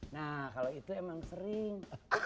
nah kalau itu emang sering